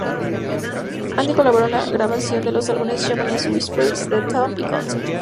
Andy colaboró en la grabación de los álbumes "Japanese Whispers", "The Top", y "Concert".